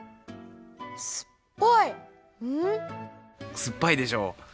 すっぱいでしょ？